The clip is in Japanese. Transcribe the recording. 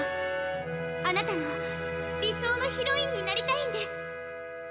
あなたの理想のヒロインになりたいんです。